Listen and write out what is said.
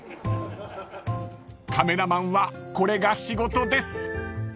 ［カメラマンはこれが仕事です］